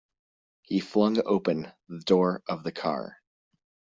He flung open the door of the car.